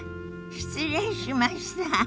失礼しました。